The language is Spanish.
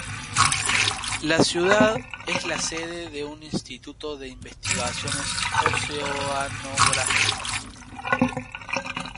La ciudad es la sede de un instituto de investigaciones oceanográficas.